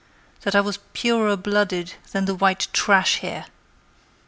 That I was purer blooded than the white trash here?